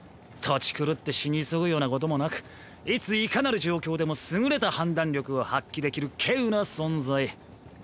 トチ狂って死に急ぐようなこともなくいついかなる状況でも優れた判断力を発揮できる稀有な存在。